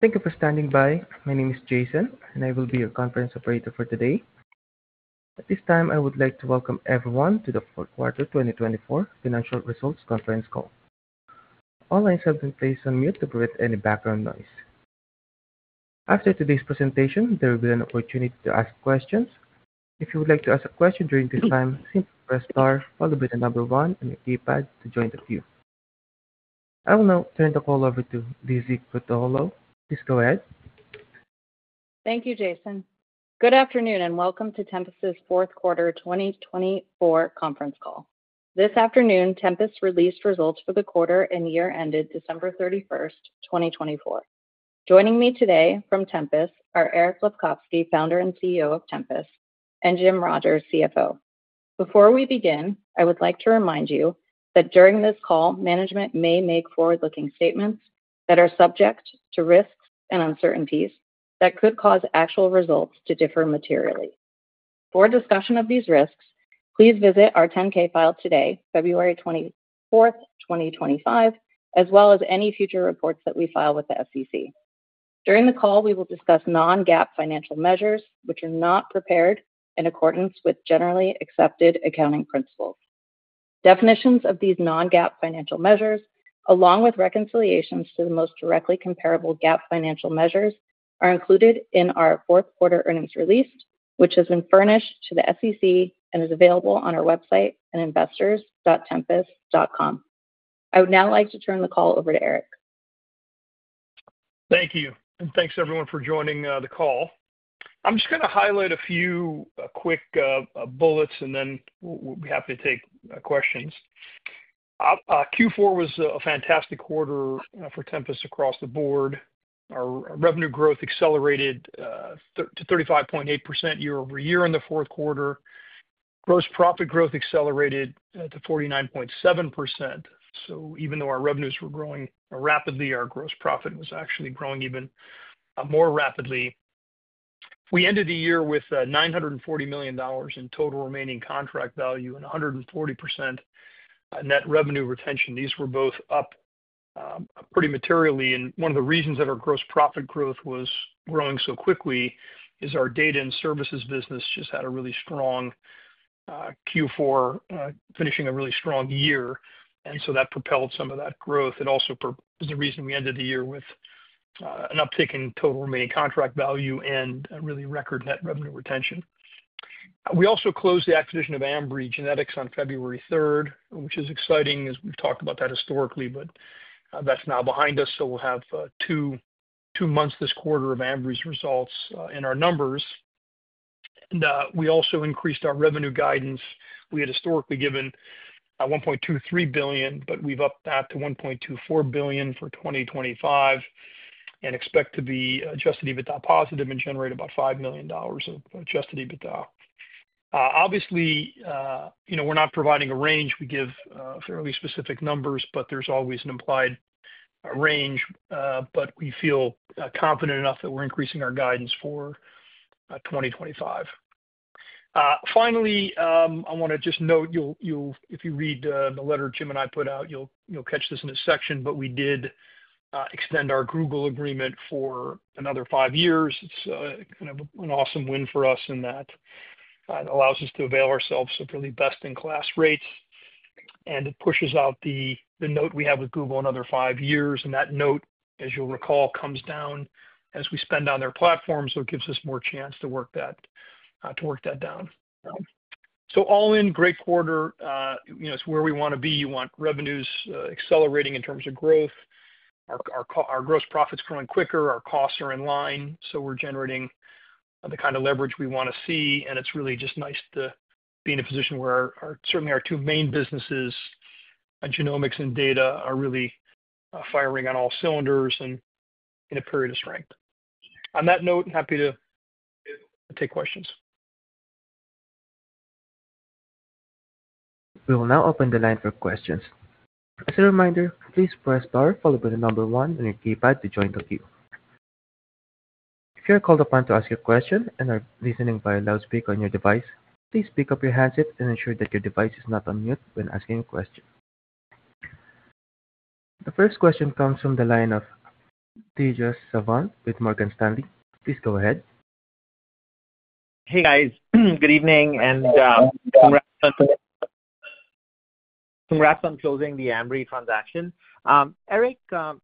Thank you for standing by. My name is Jason, and I will be your conference operator for today. At this time, I would like to welcome everyone to the fourth quarter 2024 financial results conference call. All lines have been placed on mute to prevent any background noise. After today's presentation, there will be an opportunity to ask questions. If you would like to ask a question during this time, simply press star, followed by the number one, and your keypad to join the queue. I will now turn the call over to Lizzie Krutoholow. Please go ahead. Thank you, Jason. Good afternoon, and welcome to Tempus' fourth quarter 2024 conference call. This afternoon, Tempus released results for the quarter, and year ended December 31st, 2024. Joining me today from Tempus are Eric Lefkofsky, Founder and CEO of Tempus, and Jim Rogers, CFO. Before we begin, I would like to remind you that during this call, management may make forward-looking statements that are subject to risks and uncertainties that could cause actual results to differ materially. For discussion of these risks, please visit our 10-K filed today, February 24th, 2025, as well as any future reports that we file with the SEC. During the call, we will discuss non-GAAP financial measures, which are not prepared in accordance with generally accepted accounting principles. Definitions of these non-GAAP financial measures, along with reconciliations to the most directly comparable GAAP financial measures, are included in our fourth quarter earnings release, which has been furnished to the SEC and is available on our website and investors.tempus.com. I would now like to turn the call over to Eric. Thank you and thanks, everyone, for joining the call. I'm just going to highlight a few quick bullets, and then we'll be happy to take questions. Q4 was a fantastic quarter for Tempus across the board. Our revenue growth accelerated to 35.8% year-over-year in the fourth quarter. Gross profit growth accelerated to 49.7%, so even though our revenues were growing rapidly, our gross profit was actually growing even more rapidly. We ended the year with $940 million in total remaining contract value and 140% net revenue retention. These were both up pretty materially. And one of the reasons that our gross profit growth was growing so quickly is our Data and Services business just had a really strong Q4, finishing a really strong year, and so that propelled some of that growth. It also is the reason we ended the year with an uptick in total remaining contract value and really record net revenue retention. We also closed the acquisition of Ambry Genetics on February 3rd, which is exciting as we've talked about that historically, but that's now behind us, so we'll have two months this quarter of Ambry's results in our numbers, and we also increased our revenue guidance. We had historically given $1.23 billion, but we've upped that to $1.24 billion for 2025 and expect to be just at Adjusted EBITDA positive and generate about $5 million of Adjusted EBITDA. Obviously, we're not providing a range. We give fairly specific numbers, but there's always an implied range, but we feel confident enough that we're increasing our guidance for 2025. Finally, I want to just note, if you read the letter Jim and I put out, you'll catch this in a section, but we did extend our Google agreement for another five years. It's kind of an awesome win for us in that it allows us to avail ourselves of really best-in-class rates, and it pushes out the note we have with Google another five years. And that note, as you'll recall, comes down as we spend on their platform, so it gives us more chance to work that down. So all in, great quarter. It's where we want to be. You want revenues accelerating in terms of growth. Our gross profits are growing quicker. Our costs are in line. So we're generating the kind of leverage we want to see. It's really just nice to be in a position where certainly our two main businesses, genomics and data, are really firing on all cylinders and in a period of strength. On that note, I'm happy to take questions. We will now open the line for questions. As a reminder, please press star, followed by the number one, and your keypad to join the queue. If you are called upon to ask a question and are listening via loudspeaker on your device, please pick up your handset and ensure that your device is not on mute when asking a question. The first question comes from the line of Tejas Savant with Morgan Stanley. Please go ahead. Hey, guys. Good evening. And congrats on closing the Ambry transaction. Eric,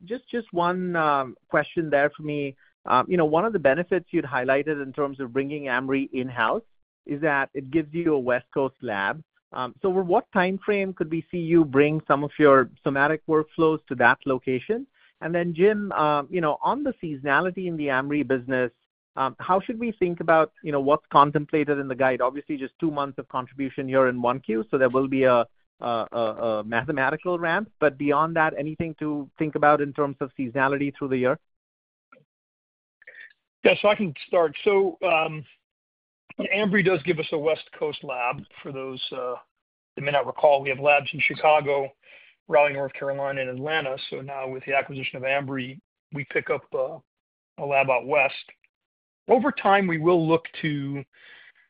just one question there for me. One of the benefits you'd highlighted in terms of bringing Ambry in-house is that it gives you a West Coast lab. So over what time frame could we see you bring some of your somatic workflows to that location? And then, Jim, on the seasonality in the Ambry business, how should we think about what's contemplated in the guide? Obviously, just two months of contribution here in 1Q, so there will be a mathematical ramp. But beyond that, anything to think about in terms of seasonality through the year? Yeah. So I can start. So Ambry does give us a West Coast lab for those that may not recall. We have labs in Chicago, Raleigh, North Carolina, and Atlanta. So now with the acquisition of Ambry, we pick up a lab out west. Over time, we will look to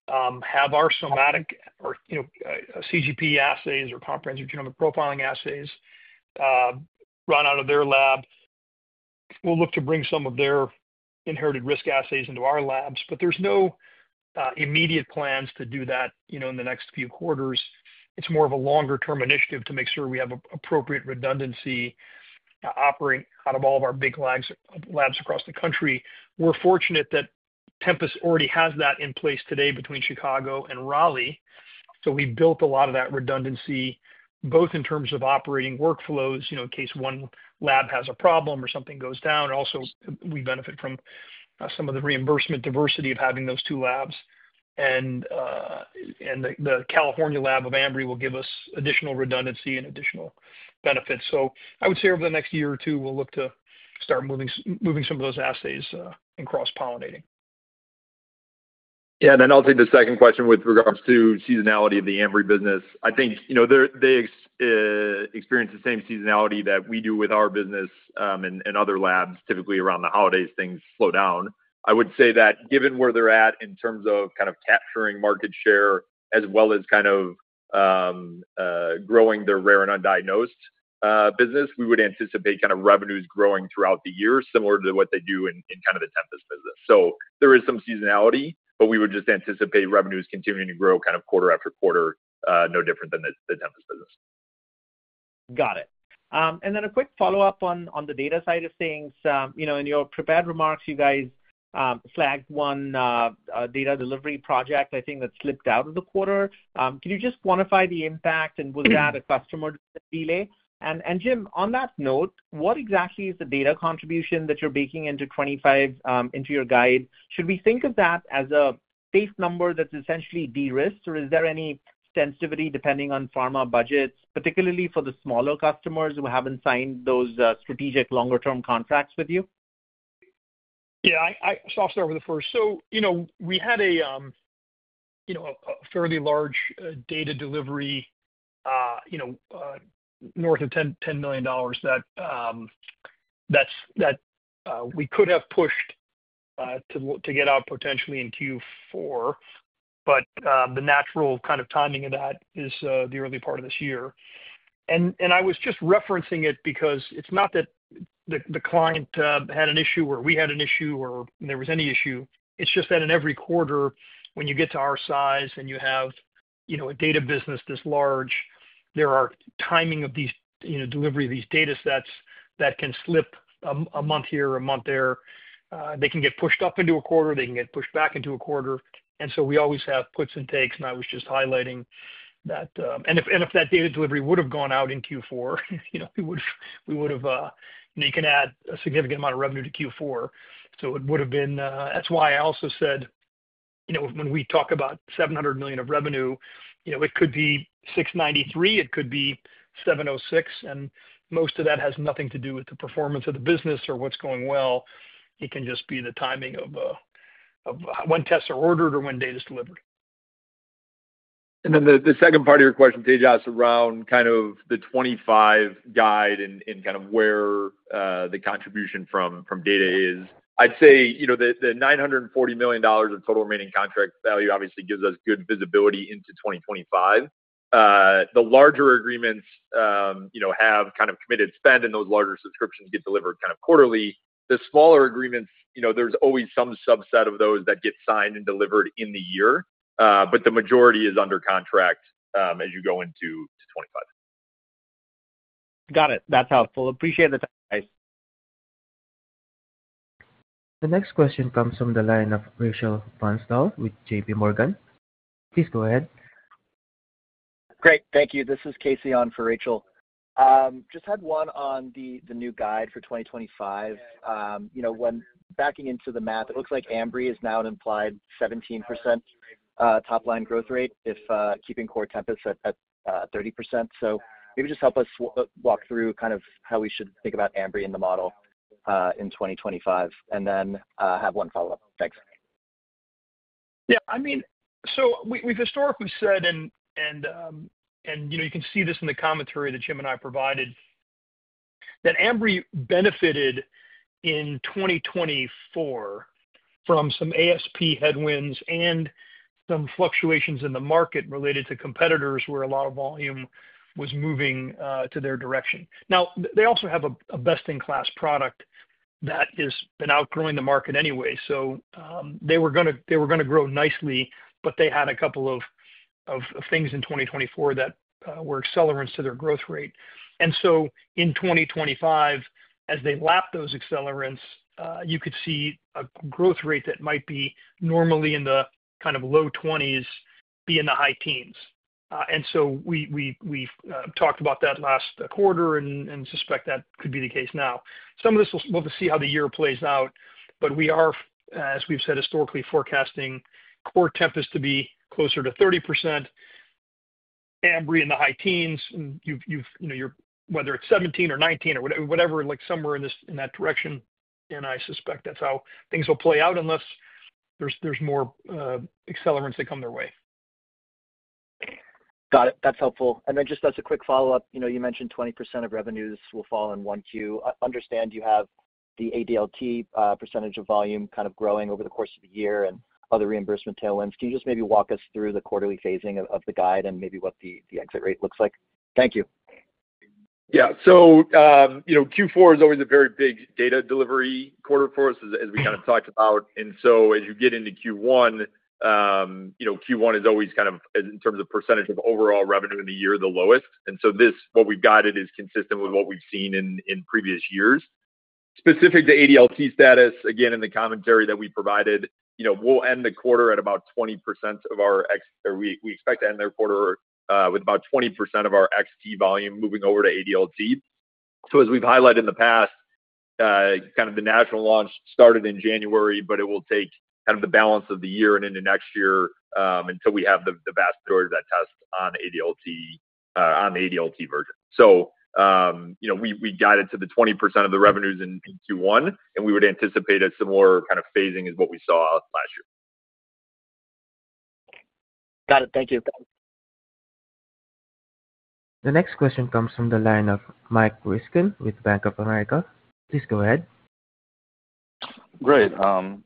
have our somatic or CGP assays or comprehensive genomic profiling assays run out of their lab. We'll look to bring some of their inherited risk assays into our labs. But there's no immediate plans to do that in the next few quarters. It's more of a longer-term initiative to make sure we have appropriate redundancy operating out of all of our big labs across the country. We're fortunate that Tempus already has that in place today between Chicago and Raleigh. So we built a lot of that redundancy, both in terms of operating workflows. In case one lab has a problem or something goes down, also we benefit from some of the reimbursement diversity of having those two labs, and the California lab of Ambry will give us additional redundancy and additional benefits, so I would say over the next year or two, we'll look to start moving some of those assays and cross-pollinating. Yeah. And then I'll take the second question with regards to seasonality of the Ambry business. I think they experience the same seasonality that we do with our business and other labs. Typically, around the holidays, things slow down. I would say that given where they're at in terms of kind of capturing market share as well as kind of growing their rare and undiagnosed business, we would anticipate kind of revenues growing throughout the year, similar to what they do in kind of the Tempus business. So there is some seasonality, but we would just anticipate revenues continuing to grow kind of quarter after quarter, no different than the Tempus business. Got it. And then a quick follow-up on the data side of things. In your prepared remarks, you guys flagged one data delivery project, I think, that slipped out of the quarter. Can you just quantify the impact, and was that a customer delay? And Jim, on that note, what exactly is the data contribution that you're baking into your guide? Should we think of that as a safe number that's essentially de-risked, or is there any sensitivity depending on pharma budgets, particularly for the smaller customers who haven't signed those strategic longer-term contracts with you? Yeah. So I'll start with the first. So we had a fairly large data delivery north of $10 million that we could have pushed to get out potentially in Q4, but the natural kind of timing of that is the early part of this year. And I was just referencing it because it's not that the client had an issue or we had an issue or there was any issue. It's just that in every quarter, when you get to our size and you have a data business this large, there are timing of these delivery of these data sets that can slip a month here or a month there. They can get pushed up into a quarter. They can get pushed back into a quarter. And so we always have puts and takes, and I was just highlighting that. And if that data delivery would have gone out in Q4, we would have. You can add a significant amount of revenue to Q4. So it would have been. That's why I also said when we talk about $700 million of revenue, it could be $693 million. It could be $706 million. And most of that has nothing to do with the performance of the business or what's going well. It can just be the timing of when tests are ordered or when data is delivered. And then the second part of your question, Tejas, around kind of the 2025 guide and kind of where the contribution from data is. I'd say the $940 million of total remaining contract value obviously gives us good visibility into 2025. The larger agreements have kind of committed spend, and those larger subscriptions get delivered kind of quarterly. The smaller agreements, there's always some subset of those that get signed and delivered in the year, but the majority is under contract as you go into 2025. Got it. That's helpful. Appreciate the time, guys. The next question comes from the line of Rachel Vatnsdal with JPMorgan. Please go ahead. Great. Thank you. This is [Casey] on for Rachel. Just had one on the new guidance for 2025. When backing into the math, it looks like Ambry is now an implied 17% top-line growth rate if keeping core Tempus at 30%. So maybe just help us walk through kind of how we should think about Ambry in the model in 2025. And then I have one follow-up. Thanks. Yeah. I mean, so we've historically said, and you can see this in the commentary that Jim and I provided, that Ambry benefited in 2024 from some ASP headwinds and some fluctuations in the market related to competitors where a lot of volume was moving to their direction. Now, they also have a best-in-class product that has been outgrowing the market anyway. So they were going to grow nicely, but they had a couple of things in 2024 that were accelerants to their growth rate. And so in 2025, as they lap those accelerants, you could see a growth rate that might be normally in the kind of low 20s be in the high teens. And so we've talked about that last quarter and suspect that could be the case now. Some of this will see how the year plays out, but we are, as we've said historically, forecasting core Tempus to be closer to 30%, Ambry in the high teens, whether it's 17% or 19% or whatever, somewhere in that direction, and I suspect that's how things will play out unless there's more accelerants that come their way. Got it. That's helpful. And then just as a quick follow-up, you mentioned 20% of revenues will fall in 1Q. I understand you have the ADLT percentage of volume kind of growing over the course of the year and other reimbursement tailwinds. Can you just maybe walk us through the quarterly phasing of the guide and maybe what the exit rate looks like? Thank you. Yeah. So Q4 is always a very big data delivery quarter for us, as we kind of talked about. And so as you get into Q1, Q1 is always kind of, in terms of percentage of overall revenue in the year, the lowest. And so what we've guided is consistent with what we've seen in previous years. Specific to ADLT status, again, in the commentary that we provided, we expect to end the quarter with about 20% of our xT volume moving over to ADLT. So as we've highlighted in the past, kind of the national launch started in January, but it will take kind of the balance of the year and into next year until we have the vast majority of that test on the ADLT version. So we guided to the 20% of the revenues in Q1, and we would anticipate a similar kind of phasing as what we saw last year. Got it. Thank you. The next question comes from the line of Mike Ryskin with Bank of America. Please go ahead. Great.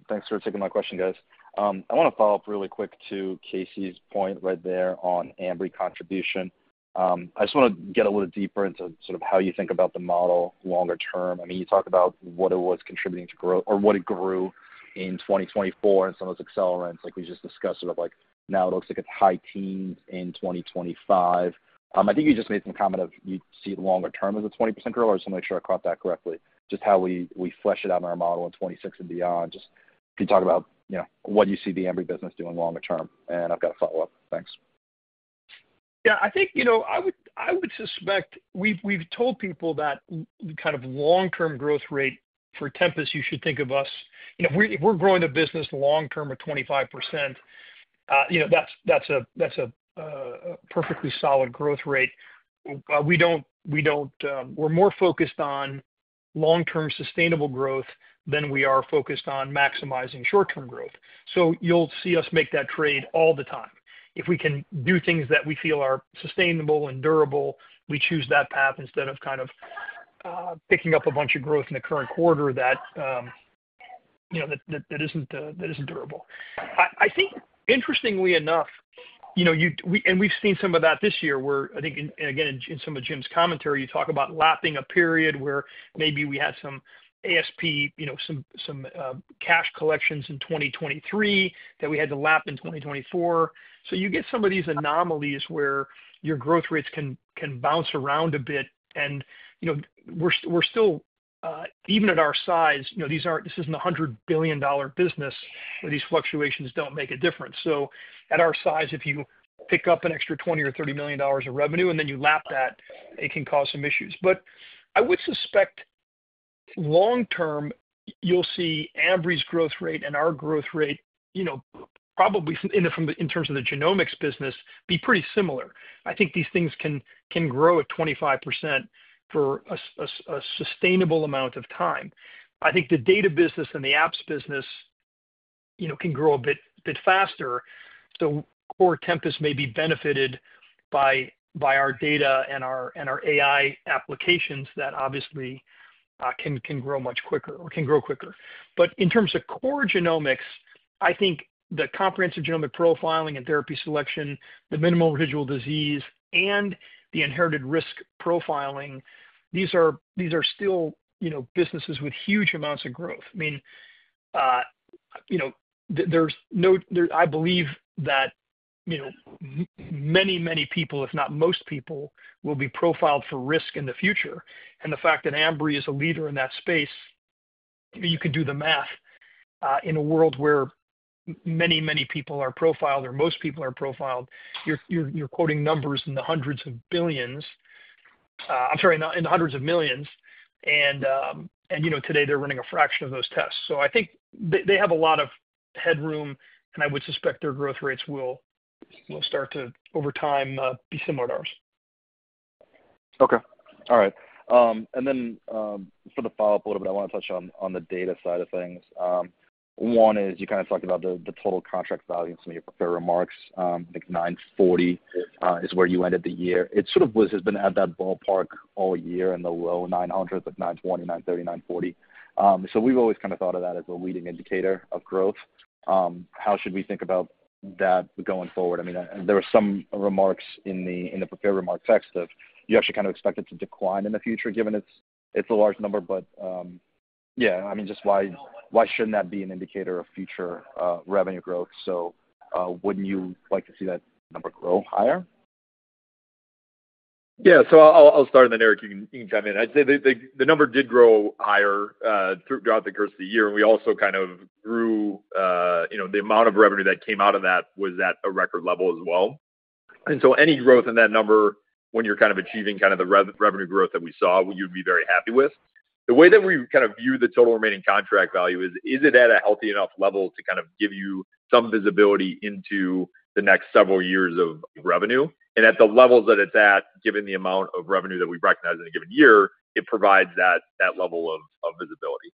Thanks for taking my question, guys. I want to follow up really quick to [Casey's] point right there on Ambry contribution. I just want to get a little deeper into sort of how you think about the model longer term. I mean, you talked about what it was contributing to growth or what it grew in 2024 and some of those accelerants. Like we just discussed, sort of like now it looks like it's high teens in 2025. I think you just made some comment of you see it longer term as a 20% growth, or I just want to make sure I caught that correctly. Just how we flesh it out in our model in 2026 and beyond, just if you talk about what you see the Ambry business doing longer term. And I've got a follow-up. Thanks. Yeah. I think I would suspect we've told people that kind of long-term growth rate for Tempus, you should think of us. If we're growing the business long-term at 25%, that's a perfectly solid growth rate. We're more focused on long-term sustainable growth than we are focused on maximizing short-term growth. So you'll see us make that trade all the time. If we can do things that we feel are sustainable and durable, we choose that path instead of kind of picking up a bunch of growth in the current quarter that isn't durable. I think, interestingly enough, and we've seen some of that this year where, I think, again, in some of Jim's commentary, you talk about lapping a period where maybe we had some ASP, some cash collections in 2023 that we had to lap in 2024. So you get some of these anomalies where your growth rates can bounce around a bit. And we're still, even at our size, this isn't a $100 billion business where these fluctuations don't make a difference. So at our size, if you pick up an extra $20 million or $30 million of revenue and then you lap that, it can cause some issues. But I would suspect long-term, you'll see Ambry's growth rate and our growth rate probably in terms of the genomics business be pretty similar. I think these things can grow at 25% for a sustainable amount of time. I think the data business and the apps business can grow a bit faster. So core Tempus may be benefited by our data and our AI applications that obviously can grow much quicker or can grow quicker. But in terms of core genomics, I think the comprehensive genomic profiling and therapy selection, the minimal residual disease, and the inherited risk profiling, these are still businesses with huge amounts of growth. I mean, I believe that many, many people, if not most people, will be profiled for risk in the future. And the fact that Ambry is a leader in that space, you can do the math. In a world where many, many people are profiled or most people are profiled, you're quoting numbers in the hundreds of billions - I'm sorry, in the hundreds of millions. And today, they're running a fraction of those tests. So I think they have a lot of headroom, and I would suspect their growth rates will start to, over time, be similar to ours. Okay. All right. And then for the follow-up a little bit, I want to touch on the data side of things. One is you kind of talked about the total contract value in some of your prepared remarks. I think 940 is where you ended the year. It sort of has been at that ballpark all year in the low 900s, like 920, 930, 940. So we've always kind of thought of that as a leading indicator of growth. How should we think about that going forward? I mean, there were some remarks in the prepared remark text of you actually kind of expect it to decline in the future, given it's a large number. But yeah, I mean, just why shouldn't that be an indicator of future revenue growth? So wouldn't you like to see that number grow higher? Yeah, so I'll start in there. You can chime in. I'd say the number did grow higher throughout the course of the year, and we also kind of grew the amount of revenue that came out of that was at a record level as well, so any growth in that number, when you're kind of achieving kind of the revenue growth that we saw, you'd be very happy with. The way that we kind of view the total remaining contract value is, it at a healthy enough level to kind of give you some visibility into the next several years of revenue? And at the levels that it's at, given the amount of revenue that we recognize in a given year, it provides that level of visibility.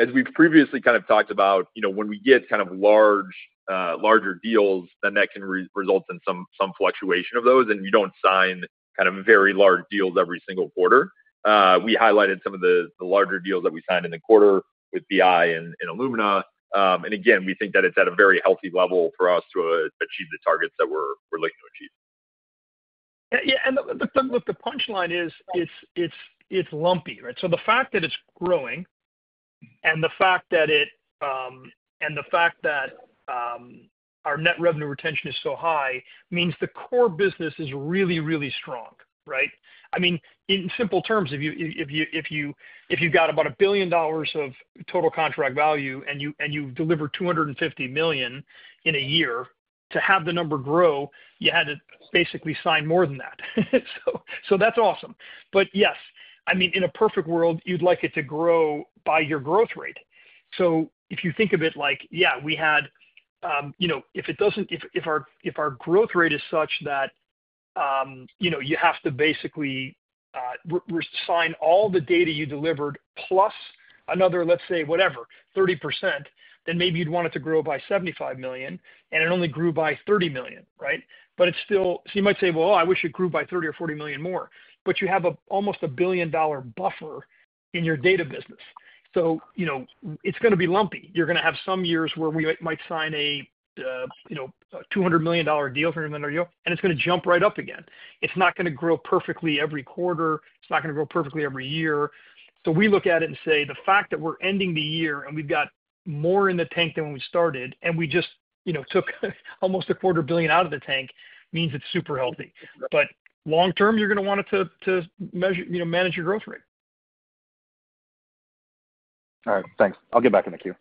As we've previously kind of talked about, when we get kind of larger deals, then that can result in some fluctuation of those, and you don't sign kind of very large deals every single quarter. We highlighted some of the larger deals that we signed in the quarter with BI and Illumina. And again, we think that it's at a very healthy level for us to achieve the targets that we're looking to achieve. Yeah. And the punchline is it's lumpy, right? So the fact that it's growing and the fact that our net revenue retention is so high means the core business is really, really strong, right? I mean, in simple terms, if you've got about $1 billion of total contract value and you've delivered $250 million in a year, to have the number grow, you had to basically sign more than that. So that's awesome. But yes, I mean, in a perfect world, you'd like it to grow by your growth rate. So if you think of it like, our growth rate is such that you have to basically sign all the data you delivered plus another, let's say, whatever, 30%, then maybe you'd want it to grow by $75 million, and it only grew by $30 million, right? But it's still so you might say, "Well, I wish it grew by $30 million or $40 million more." But you have almost a $1 billion-dollar buffer in your data business. So it's going to be lumpy. You're going to have some years where we might sign a $200 million deal from Illumina, and it's going to jump right up again. It's not going to grow perfectly every quarter. It's not going to grow perfectly every year. So we look at it and say, "The fact that we're ending the year and we've got more in the tank than when we started, and we just took almost $250 million out of the tank means it's super healthy." But long-term, you're going to want it to manage your growth rate. All right. Thanks. I'll get back in the queue.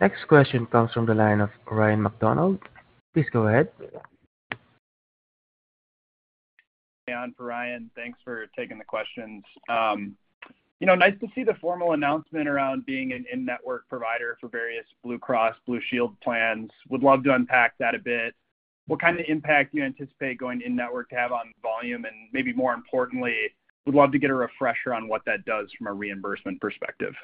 Next question comes from the line of Ryan MacDonald. Please go ahead. Hey, on for Ryan. Thanks for taking the questions. Nice to see the formal announcement around being an in-network provider for various Blue Cross Blue Shield plans. Would love to unpack that a bit. What kind of impact do you anticipate going in-network to have on volume? And maybe more importantly, would love to get a refresher on what that does from a reimbursement perspective.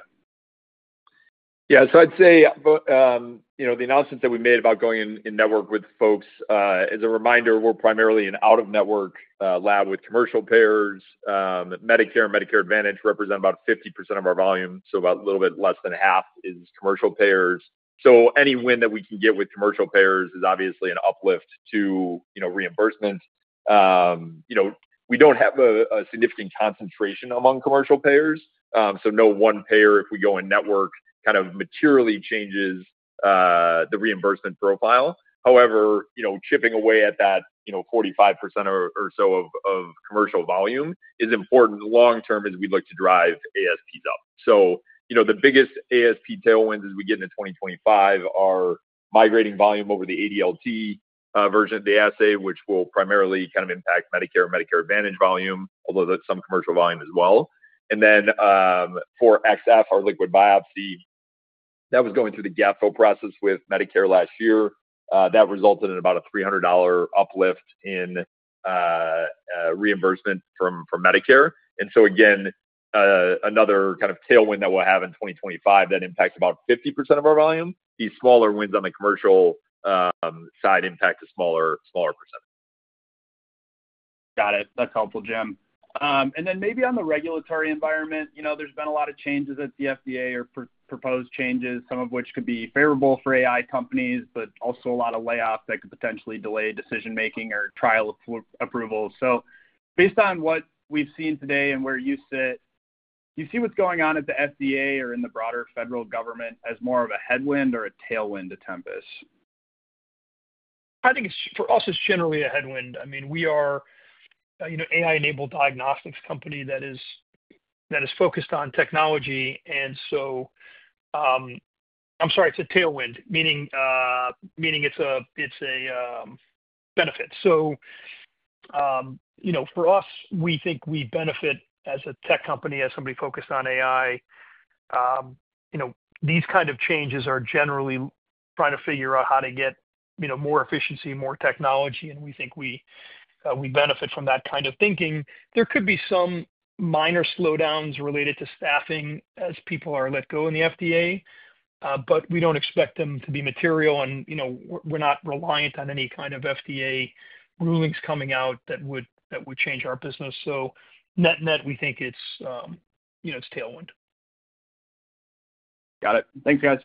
Yeah. So I'd say the announcements that we made about going in-network with folks, as a reminder, we're primarily an out-of-network lab with commercial payers. Medicare and Medicare Advantage represent about 50% of our volume. So about a little bit less than half is commercial payers. So any win that we can get with commercial payers is obviously an uplift to reimbursement. We don't have a significant concentration among commercial payers. So no one payer, if we go in-network, kind of materially changes the reimbursement profile. However, chipping away at that 45% or so of commercial volume is important long-term as we look to drive ASPs up. So the biggest ASP tailwinds as we get into 2025 are migrating volume over the ADLT version of the assay, which will primarily kind of impact Medicare and Medicare Advantage volume, although some commercial volume as well. Then for xF, our liquid biopsy, that was going through the gap fill process with Medicare last year. That resulted in about a $300 uplift in reimbursement from Medicare. So again, another kind of tailwind that we'll have in 2025 that impacts about 50% of our volume. These smaller wins on the commercial side impact a smaller percentage. Got it. That's helpful, Jim. And then maybe on the regulatory environment, there's been a lot of changes at the FDA or proposed changes, some of which could be favorable for AI companies, but also a lot of layoffs that could potentially delay decision-making or trial approvals. So based on what we've seen today and where you sit, do you see what's going on at the FDA or in the broader federal government as more of a headwind or a tailwind to Tempus? I think for us, it's generally a headwind. I mean, we are an AI-enabled diagnostics company that is focused on technology, and so I'm sorry, it's a tailwind, meaning it's a benefit, so for us, we think we benefit as a tech company, as somebody focused on AI. These kind of changes are generally trying to figure out how to get more efficiency, more technology, and we think we benefit from that kind of thinking. There could be some minor slowdowns related to staffing as people are let go in the FDA, but we don't expect them to be material, and we're not reliant on any kind of FDA rulings coming out that would change our business, so net-net, we think it's tailwind. Got it. Thanks, guys.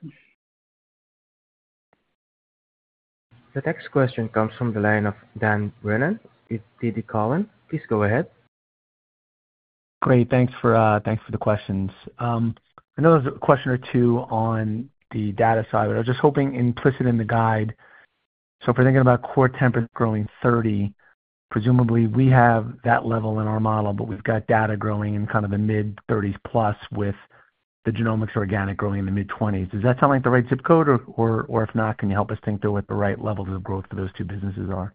The next question comes from the line of Dan Brennan with TD Cowen. Please go ahead. Great. Thanks for the questions. I know there's a question or two on the data side, but I was just hoping implicit in the guide. So if we're thinking about core Tempus growing 30%, presumably we have that level in our model, but we've got data growing in kind of the mid-30s%+ with the genomics organic growing in the mid-20s%. Does that sound like the right zip code? Or if not, can you help us think through what the right levels of growth for those two businesses are?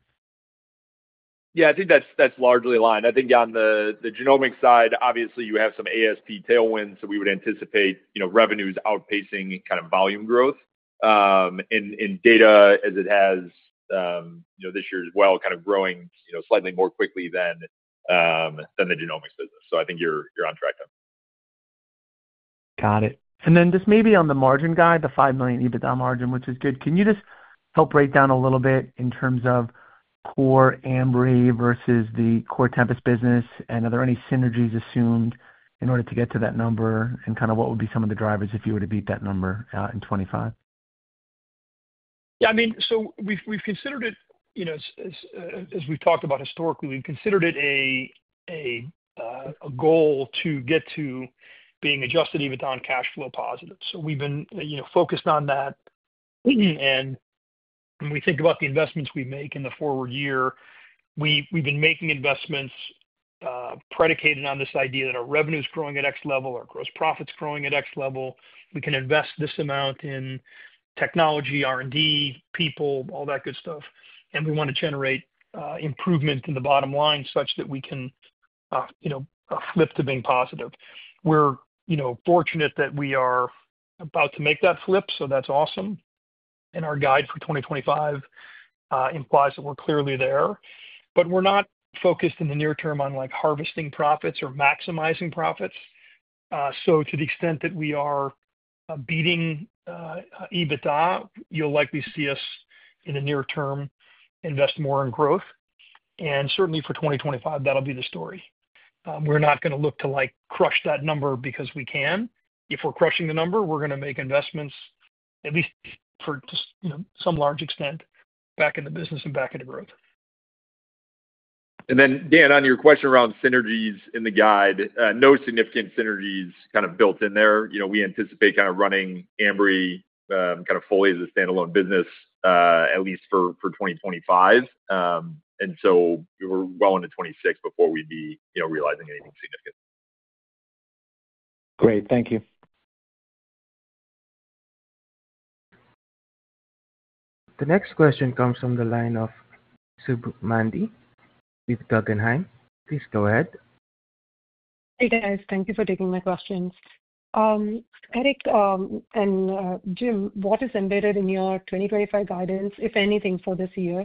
Yeah. I think that's largely aligned. I think on the genomics side, obviously, you have some ASP tailwinds, so we would anticipate revenues outpacing kind of volume growth. And data as it has this year as well, kind of growing slightly more quickly than the genomics business. So I think you're on track there. Got it. And then just maybe on the margin guide, the $5 million EBITDA margin, which is good, can you just help break down a little bit in terms of core Ambry versus the core Tempus business? And are there any synergies assumed in order to get to that number? And kind of what would be some of the drivers if you were to beat that number in 2025? Yeah. I mean, so we've considered it, as we've talked about historically, we've considered it a goal to get to being Adjusted EBITDA and cash flow positive. So we've been focused on that. And when we think about the investments we make in the forward year, we've been making investments predicated on this idea that our revenue is growing at X level, our gross profit's growing at X level. We can invest this amount in technology, R&D, people, all that good stuff. And we want to generate improvement in the bottom line such that we can flip to being positive. We're fortunate that we are about to make that flip, so that's awesome. And our guide for 2025 implies that we're clearly there. But we're not focused in the near term on harvesting profits or maximizing profits. To the extent that we are beating EBITDA, you'll likely see us in the near term invest more in growth. And certainly for 2025, that'll be the story. We're not going to look to crush that number because we can. If we're crushing the number, we're going to make investments, at least for some large extent, back into business and back into growth. And then, Dan, on your question around synergies in the guide, no significant synergies kind of built in there. We anticipate kind of running Ambry kind of fully as a standalone business, at least for 2025. And so we're well into 2026 before we'd be realizing anything significant. Great. Thank you. The next question comes from the line of Subbu Nambi with Guggenheim. Please go ahead. Hey, guys. Thank you for taking my questions. Eric and Jim, what is embedded in your 2025 guidance, if anything, for this year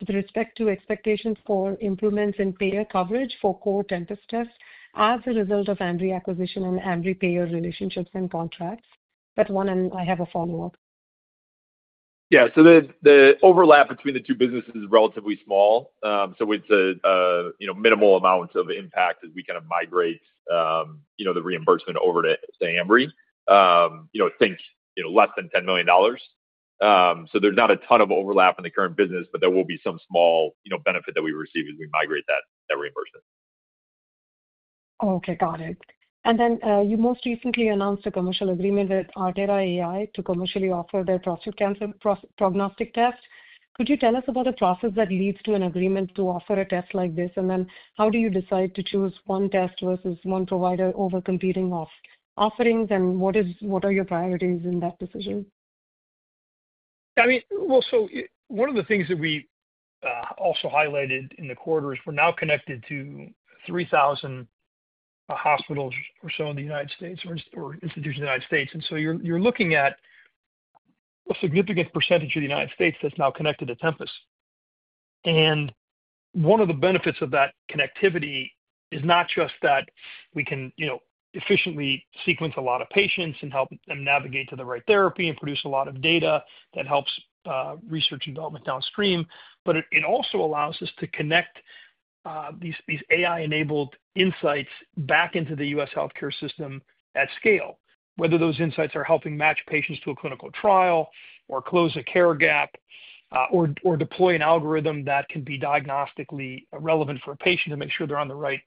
with respect to expectations for improvements in payer coverage for core Tempus tests as a result of Ambry acquisition and Ambry payer relationships and contracts? That's one, and I have a follow-up. Yeah. So the overlap between the two businesses is relatively small. So it's a minimal amount of impact as we kind of migrate the reimbursement over to Ambry. Think less than $10 million. So there's not a ton of overlap in the current business, but there will be some small benefit that we receive as we migrate that reimbursement. Okay. Got it. And then you most recently announced a commercial agreement with ArteraAI to commercially offer their prostate prognostic test. Could you tell us about the process that leads to an agreement to offer a test like this? And then how do you decide to choose one test versus one provider over competing offerings? And what are your priorities in that decision? I mean, well, so one of the things that we also highlighted in the quarter is we're now connected to 3,000 hospitals or so in the United States or institutions in the United States. And so you're looking at a significant percentage of the United States that's now connected to Tempus. And one of the benefits of that connectivity is not just that we can efficiently sequence a lot of patients and help them navigate to the right therapy and produce a lot of data that helps research and development downstream, but it also allows us to connect these AI-enabled insights back into the U.S. healthcare system at scale, whether those insights are helping match patients to a clinical trial or close a care gap or deploy an algorithm that can be diagnostically relevant for a patient to make sure they're on the right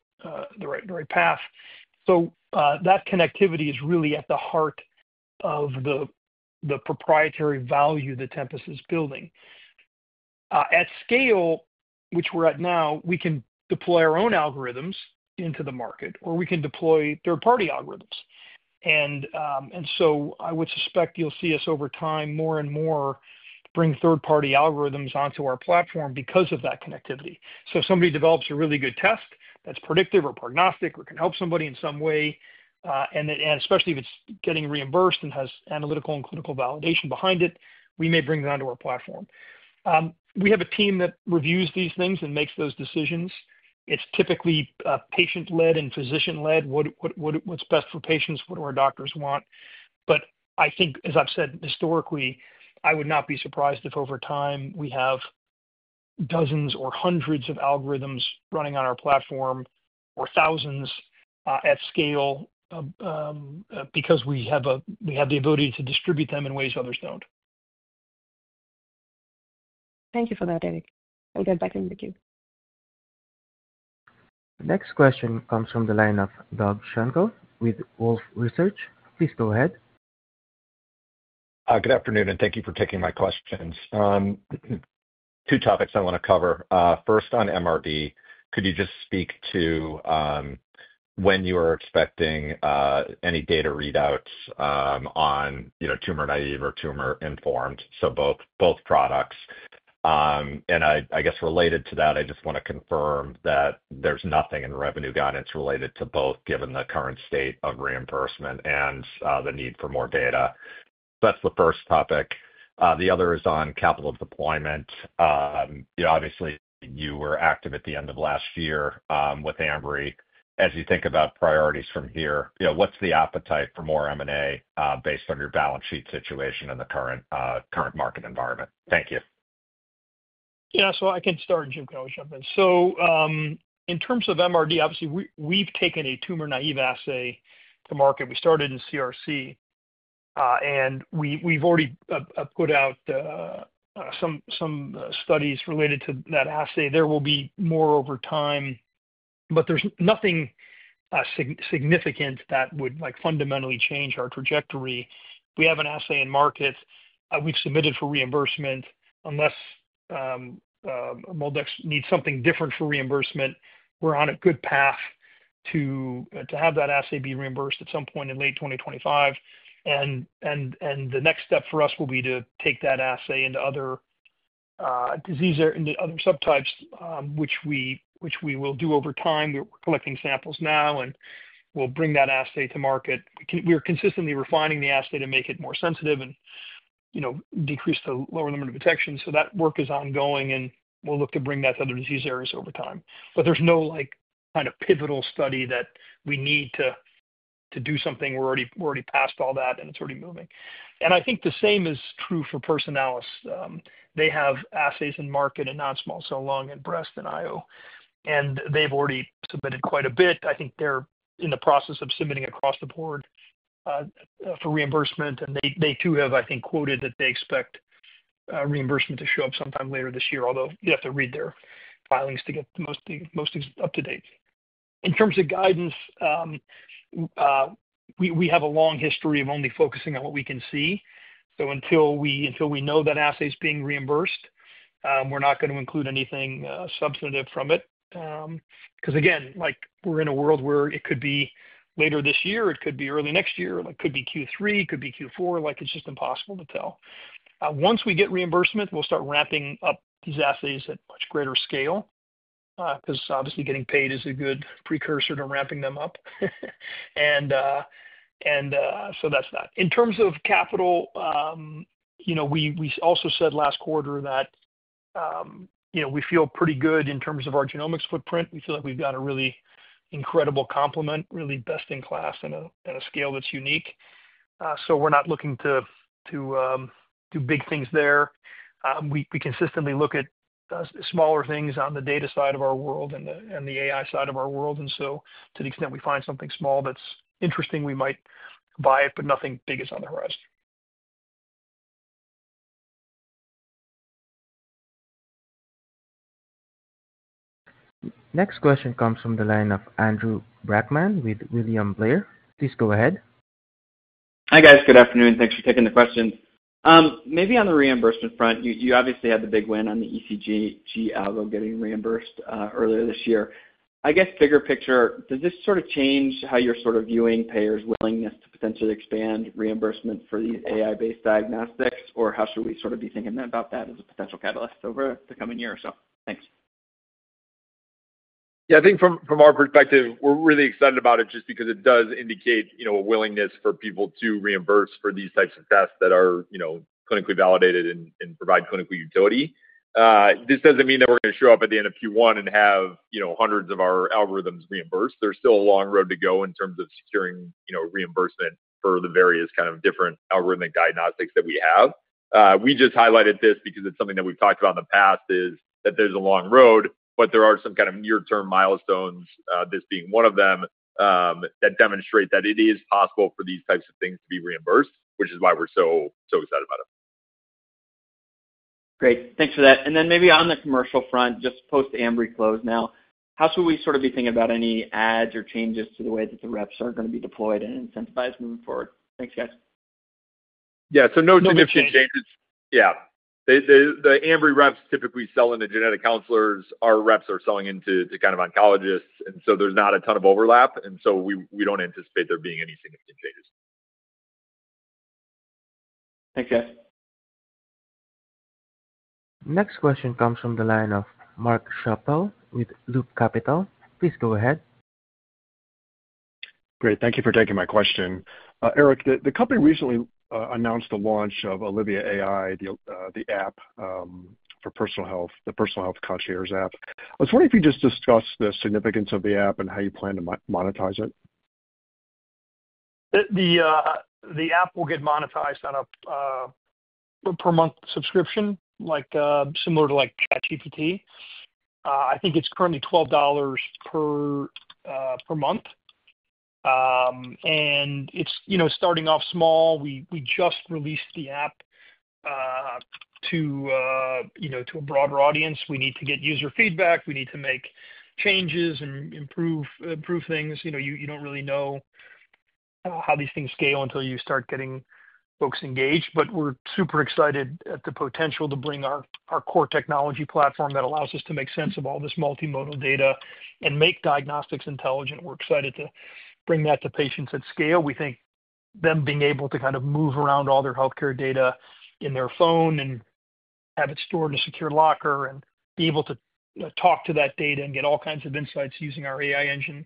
path. So that connectivity is really at the heart of the proprietary value that Tempus is building. At scale, which we're at now, we can deploy our own algorithms into the market, or we can deploy third-party algorithms. And so I would suspect you'll see us over time more and more bring third-party algorithms onto our platform because of that connectivity. So if somebody develops a really good test that's predictive or prognostic or can help somebody in some way, and especially if it's getting reimbursed and has analytical and clinical validation behind it, we may bring that onto our platform. We have a team that reviews these things and makes those decisions. It's typically patient-led and physician-led. What's best for patients? What do our doctors want? But I think, as I've said, historically, I would not be surprised if over time we have dozens or hundreds of algorithms running on our platform or thousands at scale because we have the ability to distribute them in ways others don't. Thank you for that, Eric. I'll get back in the queue. The next question comes from the line of Doug Schenkel with Wolfe Research. Please go ahead. Good afternoon, and thank you for taking my questions. Two topics I want to cover. First, on MRD, could you just speak to when you are expecting any data readouts on tumor-naive or tumor-informed? So both products. And I guess related to that, I just want to confirm that there's nothing in revenue guidance related to both, given the current state of reimbursement and the need for more data. So that's the first topic. The other is on capital deployment. Obviously, you were active at the end of last year with Ambry. As you think about priorities from here, what's the appetite for more M&A based on your balance sheet situation and the current market environment? Thank you. Yeah. So I can start, Jim. So in terms of MRD, obviously, we've taken a tumor-naive assay to market. We started in CRC, and we've already put out some studies related to that assay. There will be more over time, but there's nothing significant that would fundamentally change our trajectory. We have an assay in market. We've submitted for reimbursement. Unless MolDX needs something different for reimbursement, we're on a good path to have that assay be reimbursed at some point in late 2025. And the next step for us will be to take that assay into other disease areas, into other subtypes, which we will do over time. We're collecting samples now, and we'll bring that assay to market. We're consistently refining the assay to make it more sensitive and decrease the lower limit of detection. That work is ongoing, and we'll look to bring that to other disease areas over time. There's no kind of pivotal study that we need to do something. We're already past all that, and it's already moving. I think the same is true for Personalis. They have assays in market and non-small cell lung and breast and I/O. They've already submitted quite a bit. I think they're in the process of submitting across the board for reimbursement. They too have, I think, quoted that they expect reimbursement to show up sometime later this year, although you have to read their filings to get the most up-to-date. In terms of guidance, we have a long history of only focusing on what we can see. Until we know that assay is being reimbursed, we're not going to include anything substantive from it. Because again, we're in a world where it could be later this year, it could be early next year, it could be Q3, it could be Q4. It's just impossible to tell. Once we get reimbursement, we'll start ramping up these assays at much greater scale because obviously getting paid is a good precursor to ramping them up. And so that's that. In terms of capital, we also said last quarter that we feel pretty good in terms of our genomics footprint. We feel like we've got a really incredible complement, really best in class on a scale that's unique. So we're not looking to do big things there. We consistently look at smaller things on the data side of our world and the AI side of our world. And so to the extent we find something small that's interesting, we might buy it, but nothing big is on the horizon. Next question comes from the line of Andrew Brackman with William Blair. Please go ahead. Hi, guys. Good afternoon. Thanks for taking the question. Maybe on the reimbursement front, you obviously had the big win on the ECG algo getting reimbursed earlier this year. I guess bigger picture, does this sort of change how you're sort of viewing payers' willingness to potentially expand reimbursement for these AI-based diagnostics? Or how should we sort of be thinking about that as a potential catalyst over the coming year or so? Thanks. Yeah. I think from our perspective, we're really excited about it just because it does indicate a willingness for people to reimburse for these types of tests that are clinically validated and provide clinical utility. This doesn't mean that we're going to show up at the end of Q1 and have hundreds of our algorithms reimbursed. There's still a long road to go in terms of securing reimbursement for the various kind of different algorithmic diagnostics that we have. We just highlighted this because it's something that we've talked about in the past is that there's a long road, but there are some kind of near-term milestones, this being one of them, that demonstrate that it is possible for these types of things to be reimbursed, which is why we're so excited about it. Great. Thanks for that. And then maybe on the commercial front, just post-Ambry close now, how should we sort of be thinking about any adds or changes to the way that the reps are going to be deployed and incentivized moving forward? Thanks, guys. Yeah. So no significant changes. Yeah. The Ambry reps typically sell into genetic counselors. Our reps are selling into kind of oncologists. And so there's not a ton of overlap. And so we don't anticipate there being any significant changes. Thanks, guys. Next question comes from the line of Mark Schappel with Loop Capital. Please go ahead. Great. Thank you for taking my question. Eric, the company recently announced the launch of olivia AI, the app for personal health, the personal health concierge app. I was wondering if you could just discuss the significance of the app and how you plan to monetize it. The app will get monetized on a per-month subscription, similar to ChatGPT. I think it's currently $12 per month. And it's starting off small. We just released the app to a broader audience. We need to get user feedback. We need to make changes and improve things. You don't really know how these things scale until you start getting folks engaged. But we're super excited at the potential to bring our core technology platform that allows us to make sense of all this multimodal data and make diagnostics intelligent. We're excited to bring that to patients at scale. We think them being able to kind of move around all their healthcare data in their phone and have it stored in a secure locker and be able to talk to that data and get all kinds of insights using our AI engine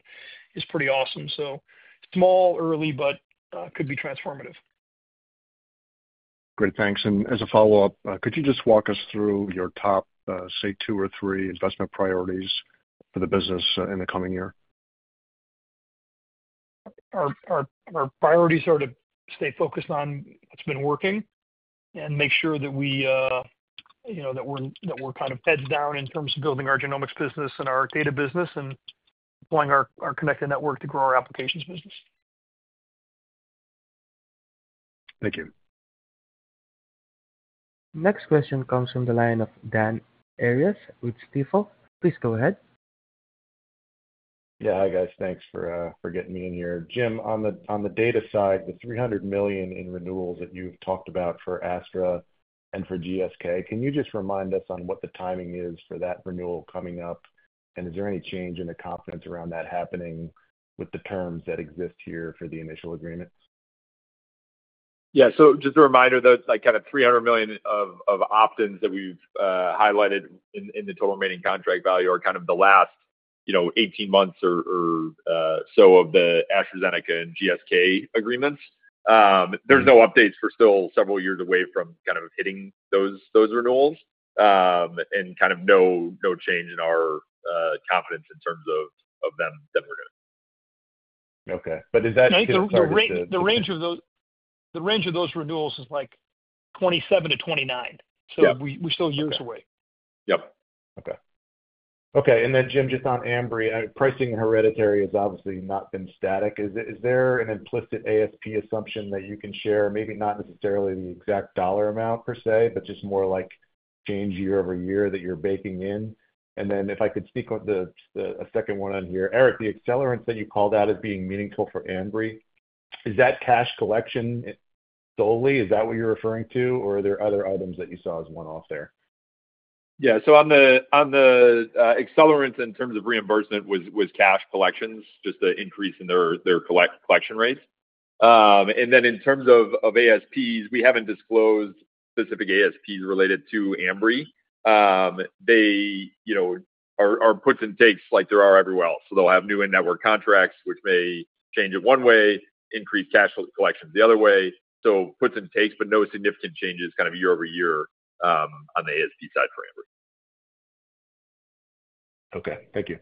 is pretty awesome. Small, early, but could be transformative. Great. Thanks. And as a follow-up, could you just walk us through your top, say, two or three investment priorities for the business in the coming year? Our priorities are to stay focused on what's been working and make sure that we're kind of heads down in terms of building our genomics business and our data business and deploying our connected network to grow our applications business. Thank you. Next question comes from the line of Dan Arias with Stifel. Please go ahead. Yeah. Hi, guys. Thanks for getting me in here. Jim, on the data side, the $300 million in renewals that you've talked about for Astra and for GSK, can you just remind us on what the timing is for that renewal coming up? And is there any change in the confidence around that happening with the terms that exist here for the initial agreement? Yeah. So just a reminder, though, kind of $300 million of opt-ins that we've highlighted in the total remaining contract value are kind of the last 18 months or so of the AstraZeneca and GSK agreements. There's no updates. We're still several years away from kind of hitting those renewals and kind of no change in our confidence in terms of them renewing. Okay. But is that. The range of those renewals is like 27-29. So we're still years away. Yep. Okay. Okay. And then, Jim, just on Ambry, pricing hereditary has obviously not been static. Is there an implicit ASP assumption that you can share? Maybe not necessarily the exact dollar amount per se, but just more like change year-over-year that you're baking in. And then if I could speak a second one on here. Eric, the accelerants that you called out as being meaningful for Ambry, is that cash collection solely? Is that what you're referring to? Or are there other items that you saw as one-off there? Yeah. So on the accelerants in terms of reimbursement was cash collections, just the increase in their collection rates. And then in terms of ASPs, we haven't disclosed specific ASPs related to Ambry. They are puts and takes like there are everywhere else. So they'll have new in-network contracts, which may change in one way, increase cash collections the other way. So puts and takes, but no significant changes kind of year-over-year on the ASP side for Ambry. Okay. Thank you.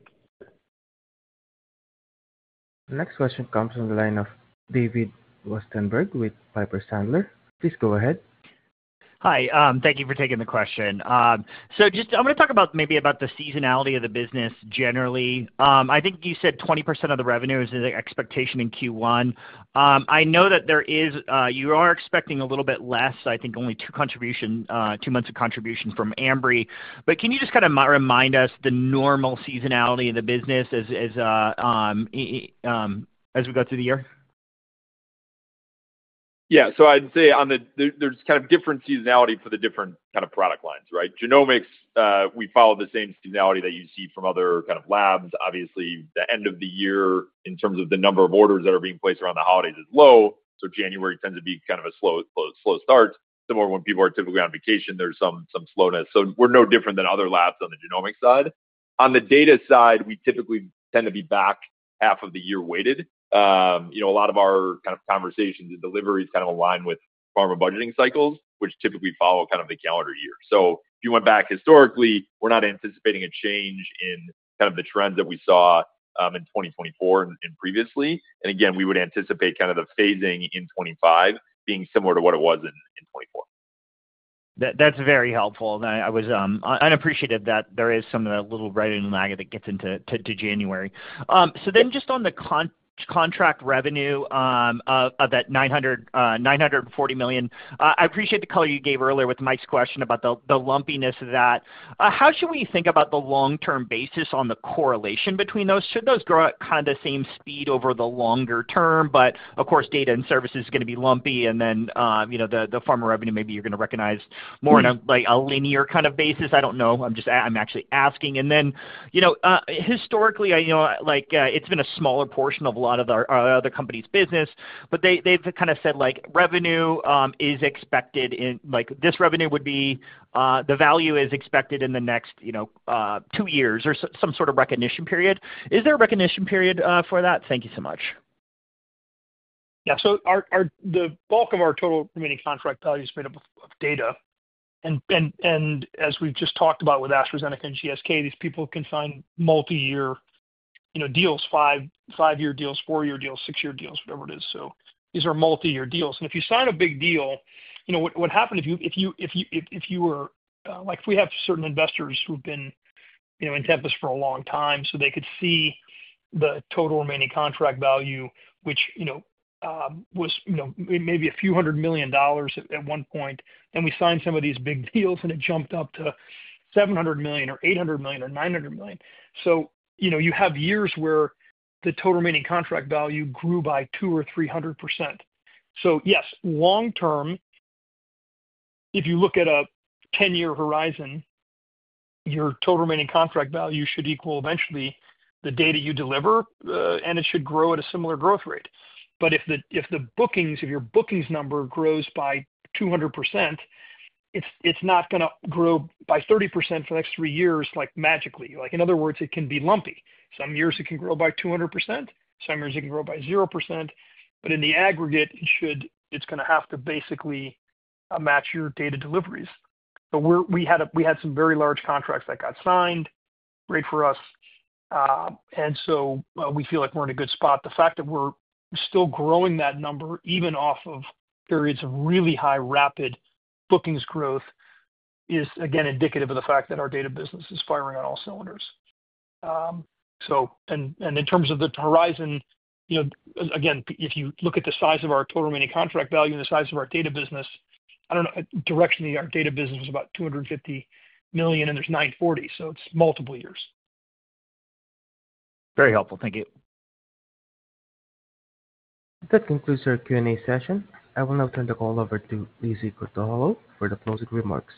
Next question comes from the line of David Westenberg with Piper Sandler. Please go ahead. Hi. Thank you for taking the question. So I'm going to talk about maybe the seasonality of the business generally. I think you said 20% of the revenue is the expectation in Q1. I know that you are expecting a little bit less, I think only two months of contribution from Ambry. But can you just kind of remind us the normal seasonality of the business as we go through the year? Yeah. So I'd say there's kind of different seasonality for the different kind of product lines, right? Genomics, we follow the same seasonality that you see from other kind of labs. Obviously, the end of the year in terms of the number of orders that are being placed around the holidays is low. So January tends to be kind of a slow start, similar to when people are typically on vacation. There's some slowness. So we're no different than other labs on the genomic side. On the data side, we typically tend to be back half of the year weighted. A lot of our kind of conversations and deliveries kind of align with pharma budgeting cycles, which typically follow kind of the calendar year. So if you went back historically, we're not anticipating a change in kind of the trends that we saw in 2024 and previously. Again, we would anticipate kind of the phasing in 2025 being similar to what it was in 2024. That's very helpful. I appreciated that there is some of that little writing lag that gets into January. So then just on the contract revenue of that $940 million, I appreciate the color you gave earlier with Mike's question about the lumpiness of that. How should we think about the long-term basis on the correlation between those? Should those grow at kind of the same speed over the longer term? But of course, Data and Services are going to be lumpy. And then the pharma revenue, maybe you're going to recognize more on a linear kind of basis. I don't know. I'm actually asking. And then historically, it's been a smaller portion of a lot of the other companies' business, but they've kind of said revenue is expected in this revenue would be the value is expected in the next two years or some sort of recognition period. Is there a recognition period for that? Thank you so much. Yeah. So the bulk of our total remaining contract value is made up of data. And as we've just talked about with AstraZeneca and GSK, these people can sign multi-year deals, five-year deals, four-year deals, six-year deals, whatever it is. So these are multi-year deals. And if you sign a big deal, what happened? If you were like we have certain investors who've been in Tempus for a long time, so they could see the total remaining contract value, which was maybe a few hundred million dollars at one point. And we signed some of these big deals, and it jumped up to $700 million or $800 million or $900 million. So you have years where the total remaining contract value grew by two or 300%. So yes, long-term, if you look at a 10-year horizon, your total remaining contract value should equal eventually the data you deliver, and it should grow at a similar growth rate. But if the bookings, if your bookings number grows by 200%, it's not going to grow by 30% for the next three years magically. In other words, it can be lumpy. Some years it can grow by 200%. Some years it can grow by 0%. But in the aggregate, it's going to have to basically match your data deliveries. So we had some very large contracts that got signed. Great for us. And so we feel like we're in a good spot. The fact that we're still growing that number, even off of periods of really high rapid bookings growth, is again indicative of the fact that our data business is firing on all cylinders. And in terms of the horizon, again, if you look at the size of our total remaining contract value and the size of our data business, I don't know. Directionally, our data business was about $250 million, and there's $940 million. So it's multiple years. Very helpful. Thank you. That concludes our Q&A session. I will now turn the call over to Lizzie Krutoholow for the closing remarks.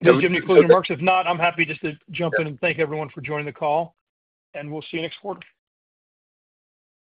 Do you have any closing remarks? If not, I'm happy just to jump in and thank everyone for joining the call, and we'll see you next quarter.